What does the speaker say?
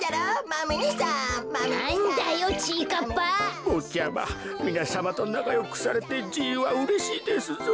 ぼっちゃまみなさまとなかよくされてじいはうれしいですぞ。